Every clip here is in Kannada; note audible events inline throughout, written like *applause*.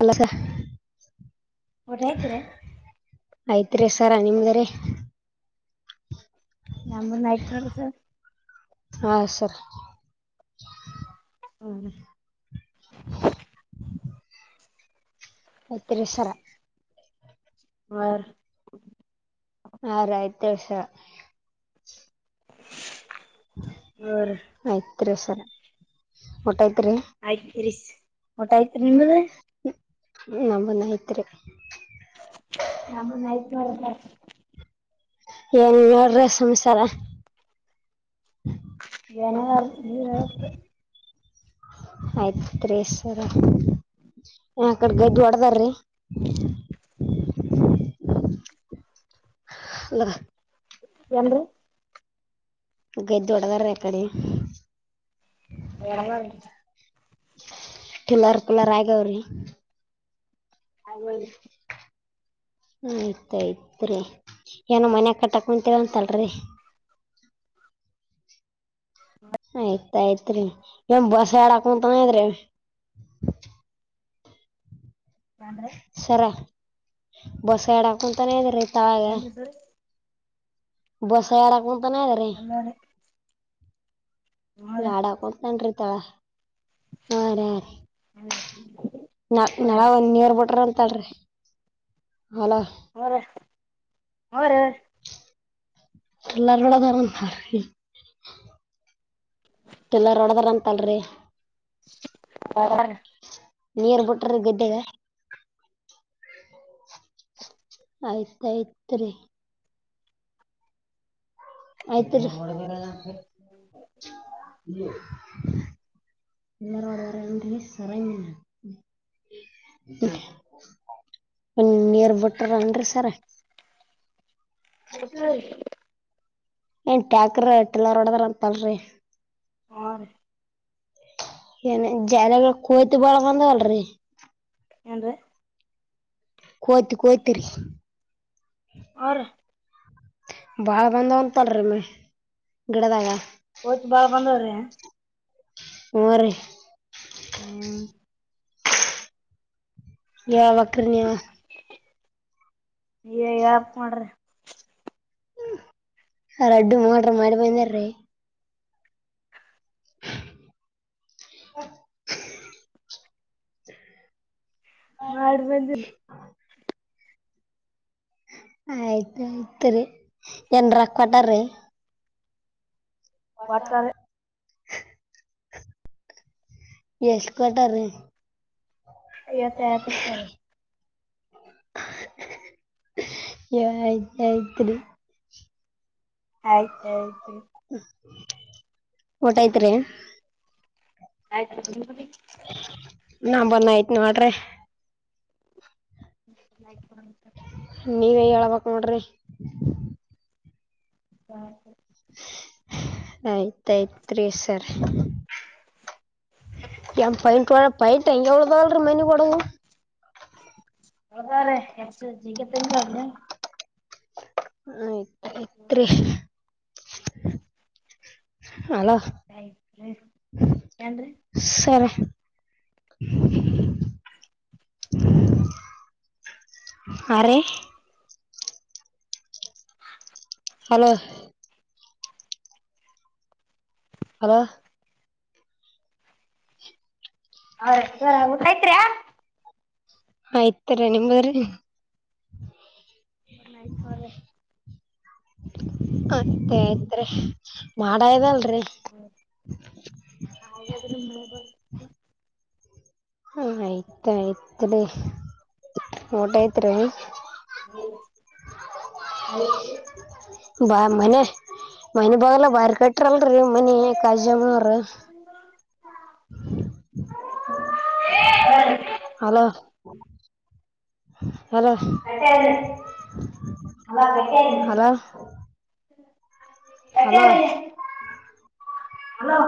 ಅಲ್ಲ ಸ. ಊಟ ಆಯ್ತಿರಿ ಆಯ್ತ್ರಿೀ ಸರ ನಿಮಗೆಾರ. *unintelligible* ನಮ್ಮಾಯತ್ಲ್ಲಸರ್. ಹಾ ಸರಿ. ಹ್ಮ. *unintelligible* ಎತ್ತರಿ ಸರ. ಹಾ ರೀ ಐತ್ರಿ ಸರ ಹ್ಮ. ಆಯ್ತ್ ಸರ. ಹಟಾತ್ ರ. ಆಯ್ತ್ ರೀ ಊಟ ಆಯ್ತ್ರಿ ನಿಮ್ದು ನ ನೈತ್ರಿ ನಮ್ಮೂದ್ ನ ಆಯ್ತ್ ನೋಡ್ರಿ ಸರ್ ಏನ್ ಹೇಳೋ್ರ ಸಂಸಾರ. ಹ. ಏನಾದ್ರಿ ನೀವ್ ಹೇಳ್ಬೇಕ್ರಿ ಆಯ್ತ್ುೇಸರ. ಯ ಕಡೆಗ್ದ ಹೊಡದಾರಿ. *unintelligible* ಅ *unintelligible* ಹೆನ್ ರೀ. ಗೈ ದೊಡಗಾರ ಎ ಕಡೆ. ಿಲ್ಲಾರಕುಲ್ಲ ರಾಯಗಾವರಿ. ಹದು. ಆಯ್ತಾಯ್ತ್ರಿ ಏನೋ ಮನ್ಯ ಕಟ್ಟಾಕ್ ಮಂತಂತಲ್ರಿ. ಆಯ್ತಾಯ್ತ್ರಿೀ ಇವನ್ ಬಸ್ ಆಡಾಕಂತನ್ರಿ. ಏನ್ರಿ ಸರ ಬಸ್ ಎಡಾಕಂತಾನೇ ಇದ್ರೀ. ಏನ್ೀ ಸರ್. ಬಸ ಯಾರಕ್ಕಂತಾನ ಅ ರೀ. ಎಲ್ಲಾರಿ ಹೂರಿ ಲಾಡಕಂತನ್ಿ ಇರ್ತಾಳ ಹಾ ರ. ಹ್ಮ್್ಮ *unintelligible* ನಾ ನಳ ಒಂದ ನೀರ್ ಬಿಟ್ರ ಅಂತಲ್ರಿ. ಹೊಲ ಅವರ ಅವರ. ಟಲ್ಲಾರಳ. ಕೆಲ್ಲಾರಡದಾರ ಅಂತಲ್ರಿ. ಹೂರಿ ನೀಿಯರ್ ಬಿುಟ್ರ ಗದ್ದಗೆ. ಆಯ್ತಾಯ್ತ್ ರರಿ. ಆಯ್ತೀ ಎಲ್ಲಾರರ ಅ ಸರ ಒ ನೀಿಯರ್ ಬಟ್ರ ಅನ್್ರರಿ ಸರ ಅ ಎಂಟ್ಯಾಾಕ್ರ ಎಟ್ಟಲ್ಲ ೋಡದ್ರ ಅಂತಲ್ರರಿ ಹ ಏನ ಜಾಲ ಕಯ್ತು ಬಾಳ ಬಂದಲ್ರಿರಿ ಏನ್ ಕೋತ ಕೋತರಿಿ ಹೂರಿ ಬಾಳ ಬಂದ ಒಂದ ಪಡ್ರಿ ಮ ಗಿಡದಾಗ ಹೋಚ್ ಬಾಳ್ ಬಂದವ್ರೆ ಹ ರೀ ಹ್ಮ್ ಯ ವಕ್ಕ್ರನಯ ಯಾಪ್ ಮಾಡ್ರಿ ರಡ್ಡು ಮಾಡೋ್ರ ಮಾಡಿ ಬಂದಾರಿ *inaudible* ಮಾಡಿ ಬಂದ ಆಯ್ತ ಆಯ್ತ್ರಿ ಏನ್ರ ಕೊಟರಿ ಒಟ್ಟಾರೆ ಎಷ್ಟ್ ಕೊಟ ರೀ ಯ ಕ ಐವತ್ತೈವತ್ತು ರೂಪಾಯಿ ಆಯ್ತ ಆಯ್ತ್ರಿ ಆಯ್ತಾಯಯ್ತ ಊಟಯತ್ ಆಯ್ತ ತ ನಾ ಬಂದಯ್ತ್ ನ ನೋಡ್ರಿ ಲ ಬ ನೀವ ಹೇಳ್ಬೇಕಕ್ ನೋಡ್ರಿ ಆಯ್ತಾಯ್ತ್ ಸರ್ *inaudible* ನ್ ಪೈಟ್ವಾಳ ಪೈಟ ಎಳದಳರ ಮನೆಿ ಕೊಡಗ ಹೌದ್ರ ಎಷ್ಟ ಸಿಗ ತ ಅದ್ರೆ ಹ ಇತ್ರ ಅಲೋ ಆಯ್ತ್ರಿ ಏನ್ರಿ ಸರಿ *inaudible* ಅರೆ ಹಲೋ ಅಲ ಹರ ಕೈತ್ಯ ಆಯ್ತರ ನಿಮದ್ರಿ ಬನ್ನಾಯ್ತು ಮ್ರ ಅತ್ತೆ ಆಯ್ತ್ರಿ ಮಾಡ ಇದದಲ್ ಹೌದ್ ಹಾಗಾದ್ರೂ ಮಾಡಬಕ್ ಹ ಆಯ್ತಾಯ್ತ್ ರ ಮೋಟೇ ತರೀ ಆಯತ ಬ ಮನೆ ಮನೆ ಬಾಗಲ್ಲ ಬಾರ ಕಟ್ಟ ಬಿಟ್ರಲ್ರಿ ಮನಿ ಕಜಮ್ಮನ್ರ *inaudible* ಹಲೋ ಹಲೋ ಹಾಗಾದ್ರೆ ಮಳೆ ಹಲೋ ಬಂತು ಹಲ್ಲೊ ಆಯ್ತ್ರಿ. ಹಲೋ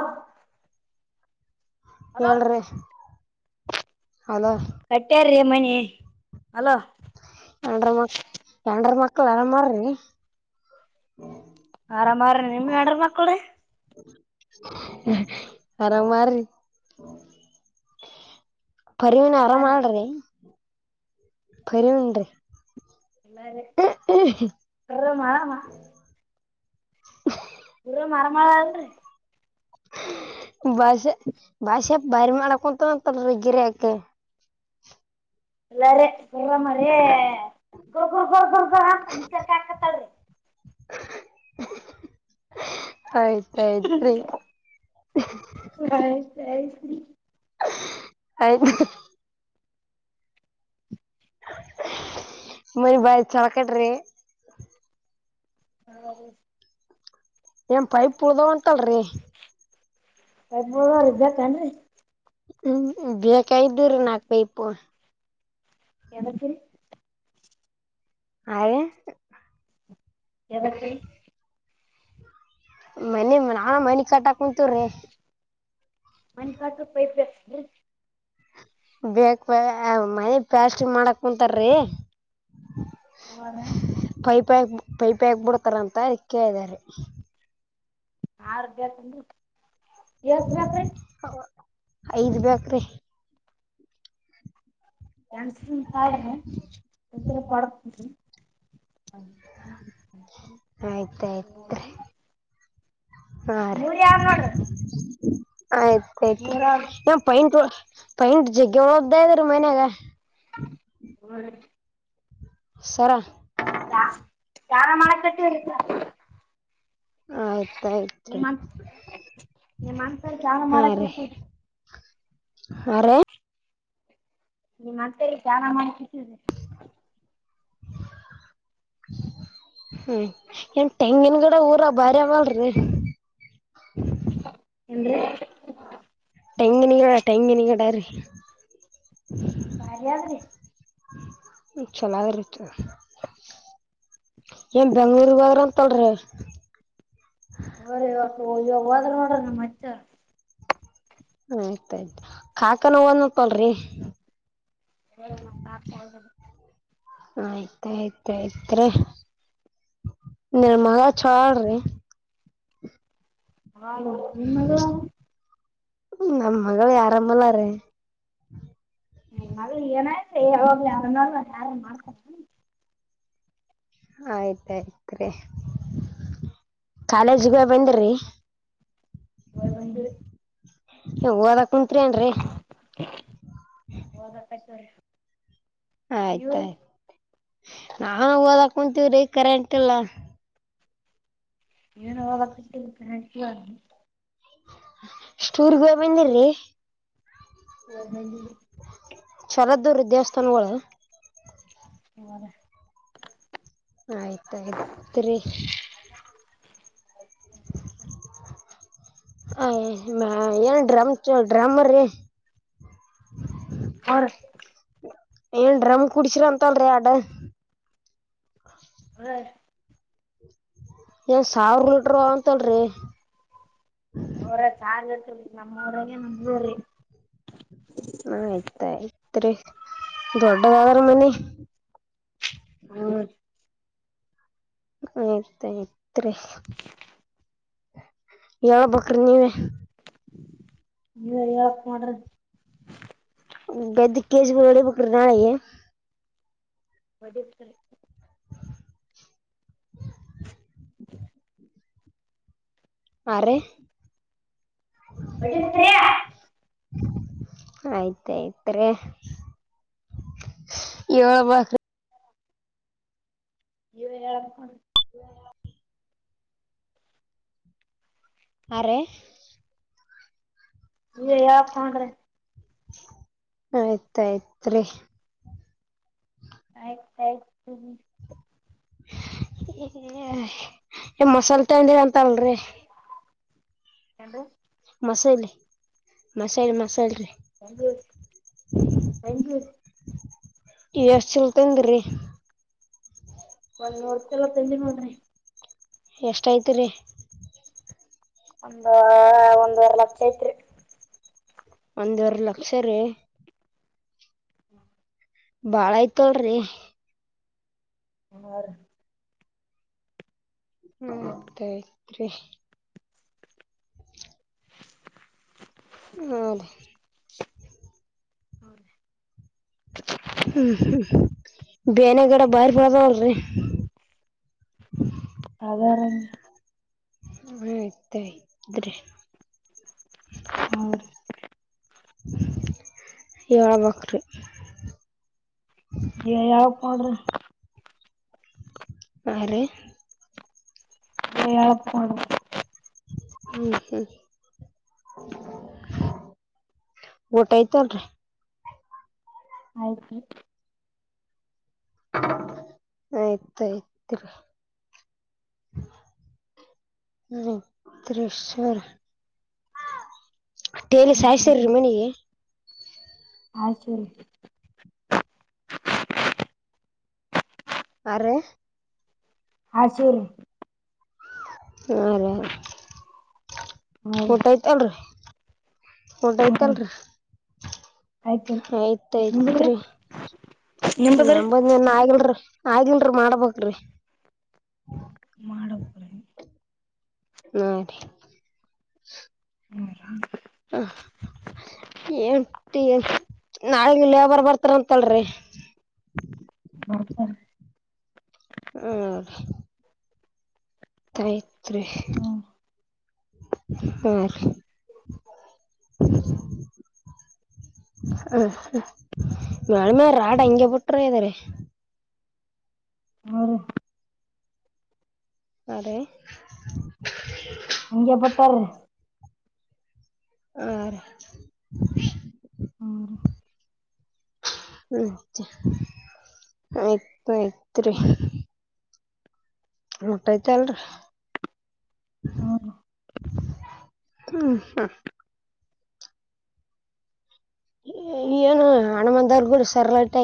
ಹಲೋ ಹೇಳ್ರಿ ಹಲ್ಲೊ ಕಟ್ಟ್ಯಾರೀ ಮನಿ ಹಲ್ಲೊ ಎಂಡರ ಮಕ್ ಯಂಡರ ಮಕ್ಳ ಆರಾಮ ಮಾಡ್ರಿ ಆರಾಮಾರ ನಿಮ್ ಎಡ್ರ ಮಕ್ಕಳ ಅರ ಮಾಡಾರಿ ಪರಿವಿನ ಆರಾಮ ಆರಾಮಾರಿ ಮಾಡ್ರಿ ಪರಿವಂಡ ಎಲ್ಲ ಬರುವಮ್ಮ ಗು ಮರಮಳ್ರ ಬಷ ಬಷ ಬಿ ಮಾಡ ಆಳಕಂತ ತ ರಗರೆ ಯಕೆ ಎಲ್ಲ ರ ಗ ಮ ಗ ಗ ಗ ಗೊರ್ ಗ ಹ ಮಚಾರಕ *unintelligible* ಹಾಕತ್ತಳ್ರೀ *unintelligible* ಆಯ್ತಾಯ್ತರಿ ಸಯೀ *unintelligible* ಆಯತ *unintelligible* ಮನೆ ಭಾಯ ಸಳಕಟ ರೀ *unintelligible* ಹೌ ಏನ್ ಪೈಪ್ ಉಡ್ದವ ಉಂಂತಲ್ರರಿ ಹಬದ ಇದ್ದಕ್ಕನ್ *unintelligible* ಹ್ಮ್ ಬೇಕರ ನಾಕ ಬೈಪು ಎದತ್ತ ಆ ಎದಕ್ಕೆ ಮನೆ ನಾಾನ ಮನೆಿ ಕಟ್ಟಾಕ್ ಕುಂತೀವ್ರಿ ಮನಕಾಸ ಪೈ ಬೇಕ ಮನೆ ಪ್ಯಾಸ್ಟ್ರಿ ಮಾಡಕ್ ಕುಂತಾರೀ ಹ ಪೈಪಿ ಹಕ್ಬಿಡ್ತಾರ ಅಂತ ಅದ ಕೇಳಿದಾರೆ ಹಬೇಕ ಎಸ್ಮ್ರೆ ಐದ್ ಬೇಕ್ರೀ ನನ್ಸ ತಾಯ ತಂದರ ಪಡ *unintelligible* ಆಯ್ತಾಯ್ತ್ ಮುರಾಂಗಡು *unintelligible* ಆಯ್ತ ಆಯ್ತು ನ ಪೈಂಟ್ ಪೈಂಟ್ ಜಗ್ಗೆ ಒಬ್ದ ಇದ್ದಾರ ಮನ್ಯಾಗ ಹ ಸರಾ ಯಾರೆ ಮಳೆ ಕಟ್ಟಿ ವರುತ್ತಾ *unintelligible* ಆಯ್ತಾಯ್ತ್ ನೀ ಮಾಡನ್ಸ ಚಾವ ಮಾಡ *unintelligible* ಆರ ನಿಮ್ಮ ಮತ್ತೆ ಜಾನ ಮಾಡ *inaudible* ಹ್ಮ್ ಏನ್ ತೆಂಗಿನಗಡೆ ಊರ ಬಾರಿ ಮಾಡಲ್ರಿ ಏನ್ ತೆಂಗಿನ ಗಿಡ ತೆಂಗಿನ *inaudible* ಭಾರ ರೀ *unintelligible* ಚೆನ್ನಾಗಿರತ ಏನ್ ಬೆಂಗಳೂರ್ಗರ ಅ ತೊಳ್ರಿ ಹರಿ ಇವ ಇವಾಗ ಹೋದ್ರ ನೋಡ್ರ ನಮ್ ಮತ್ತೆ ಆಯ್ತಾಯ್ತು ಕಾಕ ನ ಒನ್ಪ್ಪಲ್ರಿ ಸ ನಾ ಪಪೇ ಒ ಆಯ್ತಾಯ್ತಾಯಯ್ತ್ ನಿರ್ಮಂಗಾ ಳ ರ ಹಾ ನಿಮ್ಮದು ನಮ್ಮ ಮಗಳು ಆರಮ್ಮಲ್ಲಾರ ಮ ಏನಾಯ್ತ್ ಯ್ ಯಾರನ್ನ ಯಾರು ಮಾಡ್ತಾರ ಆಯ್ತಾಯ್ತ ಕಾಲೇಜಗ ಬಂದಿರಿ ಹಾಯಬಂದು ನೀ ಹೋದ ಕುಂತ್ರಿ ಏನ್ರಿ ಓದಕತ್ತೀವ್ರಿ ನೀವ್ರಿ ಆಯ್ತಾಯ್ತ ನಾನು ಓದಕ ಕುಂತೀವ್ರಿ ಕರೆಂಟ್ ಇಲ್ಲ ಇವನ ಟೂರ್ ಹೋಗಿ ಬಂದಿರಿ ನ್ನ ಚಲದ್ದವರ ದೇವಸ್ಥಾನಗಳು ಹದ ಆಯ್ತಾಯ್ತರೀ ಅ ಏನು ಡ್ರಮ್ ಡ್ರಮ ರೀ ಹ ಏನ್ ಡ್ರಮ್ ಕುಡಸಿರ ಅಂತಲ್ರಿ ಅಡ ಹರ ಏನ್ ಸಾವಿರ್ ಲೀಟರ್ ಅಂತಲ್ರಿ ಅವ್ರ ಚಾರ್ ಇ ನಮ್ಮ ಅವ್ರಾಗ ನಮೂರಿ ಆಯ್ತ ಆಯ್ತ್ ದೊಡ್ಡ ಕಾದರ ಮನ್ನಿ ಹ ಆಯ್ತಾಯ್ತ್ ಯಾವ ಬಕ್ರ ನೀವ ಇರಿ ಮಾಡಡ ಗದ್ದ ಕೇಜ ಒಳಿ ಪಕ್ಕ ನಾಳ ಒ ಆರೆ ಒಟ್ಟ ಎತ್ರೆಯ ಆಯ್ತಾಯಯ್ತ್ ಯ ಬ ಅಯ್ಯೋ ಹೇಳ ಅ ಯಾ ಹೊಂಡ್ರೆ ಆಯ್ತಾಯ್ತ್ ರರಿ ಆಯ್ತ ಆಯ್ತು ಮಸಾಲೆ ತಂಡಿರ ಅಂತ ಅಲ್ರಿ ಎಟ ಮಸಾಲ ಮಸಾಲ ಮಸಾಲ ರರಿ ಹೆಂಗ ಹೆಂಗು ಎಷ್ಟ್ ಚಲ್ತನ್ ಒಂದ್ ನೋಡ್ತಿಲ ತಿಂದಿ ನೋಡ್ರಿ *unintelligible* ಎಷ್ಟಾಯ್ತು ರೀ ಒಂದು ಒಂದ್ವರ ಲಕ್ಷ ಐತ್ರಿ ಒಂದ್ವರ ಲಕ್ಷ ರೀ ಬಾಳ ಆಯ್ತಲ್್ರರಿ ಹ *unintelligible* ಹ್ಮ್ತಯ್ತ್ರಿ ಹ ರೀ ಹೌ *unintelligible* ಹ್ಮ್ ಹ್ಮ್ ಬೇನೆಗಡ *unintelligible* ಬರ್ಬದವಲ್ರಿ ಅದರ *unintelligible* ಹ ಆಯ್ತಾಯಯ್ತ್ರಿ *unintelligible* ಹ ಹೇಳ್ಬೇಕ್ರಿ ಯಾವಕ್ *unintelligible* ಮಾಡಡ್ರಿ ಹ ರೀ ಎ ಯಪ್ಪಣ *unintelligible* ಹ್ಮ ಊಟಯ್ತಲ್ರಿ ಆಯ್ತು ಆಯ್ತಾಯಯ್ತರ *unintelligible* ರತ್ರೇಶ್ರ್ *unintelligible* ಟ್ಟೇಲಿ ಸಾಯ್ತರ ರೀ ಮನಿಗೆ *unintelligible* ಆಯ್ ಸರಿ *unintelligible* ಅ ರೀ ಹಸುರು ಹ ರ *unintelligible* ಹೂರಿ ಊಟಾಯ್ತ ಅಲ್ರಿ ಊಟ ಹೂರಿ ಆಯ್ತಲ್ರಿ ಆಯ್ತ್ರಿ ನಿಮ್ದ್ರಿ ಆಯ್ತಯ್ತ್ರಿ ನಿಮ್ದ್ರಿ ನಂಬದನ್ *unintelligible* ಆಗಲ್ರಿ ಆಗಿಲ್ರಿ ಮಾಡಬೇಕು ಮಾಡಡಗುರ *unintelligible* ಹ್ಮ ರೀ ಹ್ಮ ಹ ಎ ನಾಳಗ ಇಲ್ಲಯ ಬರ್ ಬರ್ತಾರ ಅಂತಲ್ರಿ *unintelligible* ಹ ಸ *unintelligible* ಹ್ಮ ಗಾಯತ್ ಬ ಹ್ಮ್ *unintelligible* ಹ್ಮ *unintelligible* *inaudible* ಹ ಮ್ಮ ರಾಡ್ ಹಂಗಗೆ ಬಿಟ್ರ *unintelligible* ಇದಾರೆ ಆ ರೀ ಅದೀ ಹಗೆ ಪಟ್ಟಾರೆ ಆ ಹ್ಞೂ ರೀ ಆಯ್ತಯ್ತ್ರಿ *unintelligible* ಊಟಾಯ್ತ ಅಲ್ರಿೀ ಹ್ಞೂ ಹ ಹಾ *unintelligible* ಏನು ಹಣಮಂದವ್ರಗೂ ಸರಲಟ